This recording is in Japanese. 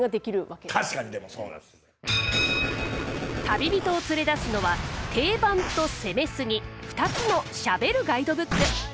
旅人を連れ出すのは定番と攻めすぎ２つのしゃべるガイドブック。